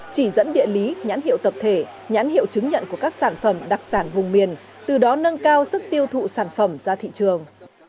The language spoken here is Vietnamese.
chỉ dẫn địa lý nhãn hiệu tập thể nhãn hiệu chứng nhận của các sản phẩm đặc sản vùng miền từ đó nâng cao sức tiêu thụ sản phẩm ra thị trường